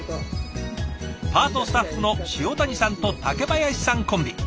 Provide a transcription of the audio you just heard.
パートスタッフの塩谷さんと竹林さんコンビ。